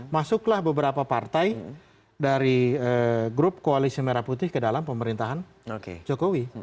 masuklah beberapa partai dari grup koalisi merah putih ke dalam pemerintahan jokowi